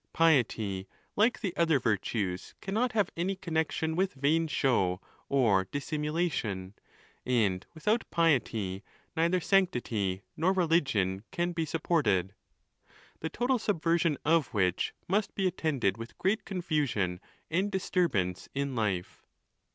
Piety, like the other virtues, cannot have any connection with vain show or dissimulation ; and without piety, nei ther sanctity nor religion can be supported ; the total sub version of which must be attended with great confusion and disturbance in life.